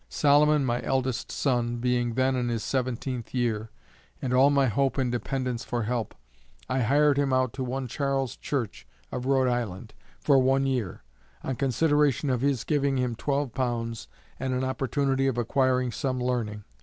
Solomon my eldest son, being then in his seventeenth year, and all my hope and dependence for help, I hired him out to one Charles Church, of Rhode Island, for one year, on consideration of his giving him twelve pounds and an opportunity of acquiring some learning.